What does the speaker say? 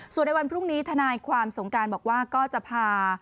ส่วนในวันพรุ่งนี้ทนายความสงการบอกว่าก็จะพา